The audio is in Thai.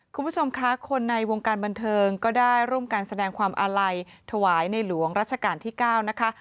คุณผู้ชมคะคนในวงการบันเทิงก็ได้ร่วมการแสดงความอาลัยถวายในหลวงรัชกาลที่๙นะคะ